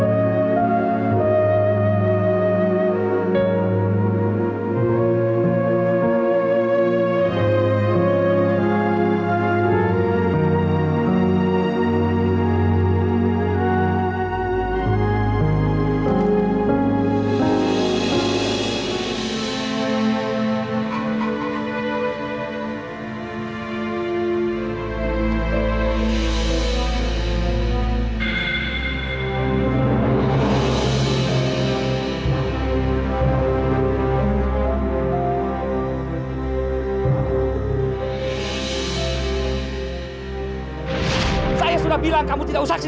aku nyuruh kaya tapi nggak punya duit